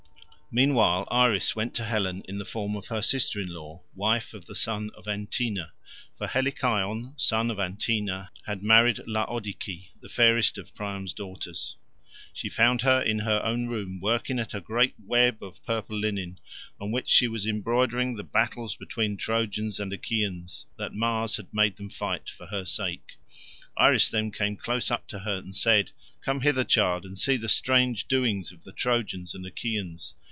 Meanwhile Iris went to Helen in the form of her sister in law, wife of the son of Antenor, for Helicaon, son of Antenor, had married Laodice, the fairest of Priam's daughters. She found her in her own room, working at a great web of purple linen, on which she was embroidering the battles between Trojans and Achaeans, that Mars had made them fight for her sake. Iris then came close up to her and said, "Come hither, child, and see the strange doings of the Trojans and Achaeans.